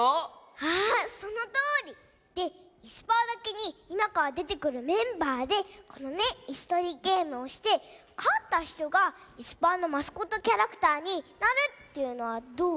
あそのとおり！でいすパーだけにいまからでてくるメンバーでこのねいすとりゲームをしてかったひとがいすパーのマスコットキャラクターになるというのはどう？